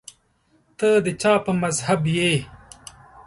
ته د چا په مذهب یې